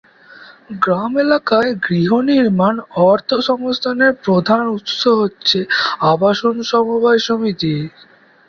গ্রাম এলাকায় গৃহনির্মাণ অর্থসংস্থানের প্রধান উৎস হচ্ছে আবাসন সমবায় সমিতি।